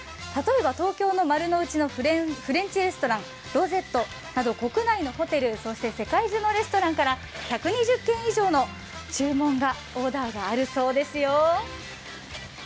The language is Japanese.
例えば東京の丸の内のフレンチレストラン・ロゼットなど国内のホテル、そして世界中のレストランから１２０件以上のオーダーがあるそうですよ。